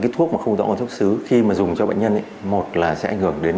thuốc không rõ nguồn cấp xuất xứ khi dùng cho bệnh nhân